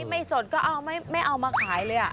ไม่สดก็เอาไม่เอามาขายเลย